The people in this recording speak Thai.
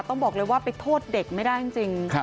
ต้องบอกเลยว่าไปโทษเด็กไม่ได้จริง